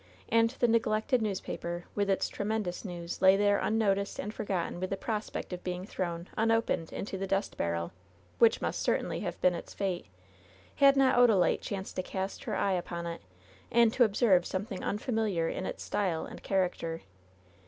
And the neglected newspaper, with its tremendous news, lay there unnoticed and forgotten with the prospect of being thrown, unopened, into the dust barrel ; which must cer tainly have been its fate, had not Odalite chanced to cast her eye upon it and to observe something unfamiliar in its style and character.